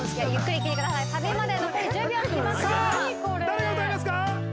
誰が歌いますか？